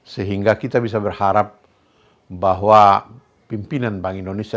sehingga kita bisa berharap bahwa pimpinan bank indonesia